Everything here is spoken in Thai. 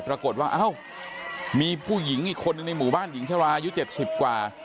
ปรากฏว่าเอ้ามีผู้หญิงอีกคนหนึ่งในหมู่บ้านหญิงชราอายุ๗๐กว่า